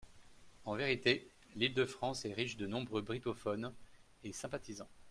En vérité, l’Île-de-France est riche de nombreux brittophones et sympathisants.